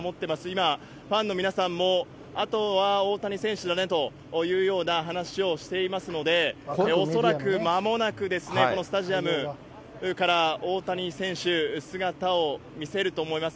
今、ファンの皆さんも、あとは大谷選手だねというような話をしていますので、恐らくまもなくですね、このスタジアムから大谷選手、姿を見せると思います。